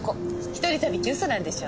一人旅って嘘なんでしょ？